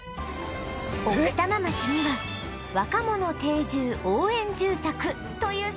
奥多摩町には若者定住応援住宅という制度があり